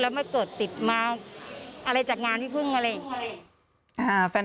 แล้วไม่เกิดติดมาอะไรจากงานพี่พึ่งอะไร